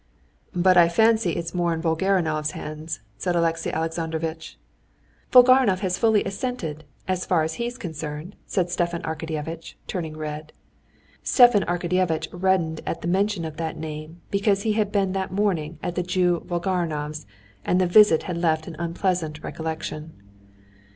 "But I fancy it's more in Volgarinov's hands," said Alexey Alexandrovitch. "Volgarinov has fully assented, as far as he's concerned," said Stepan Arkadyevitch, turning red. Stepan Arkadyevitch reddened at the mention of that name, because he had been that morning at the Jew Volgarinov's, and the visit had left an unpleasant recollection.